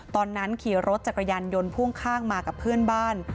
ตอนนั้นขี่รถจักรยานยนต์พ่วงข้างมากับเพื่อนบ้าน